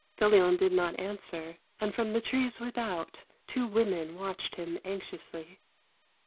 Felion did not answer, and from the trees without two women watched him anxiously.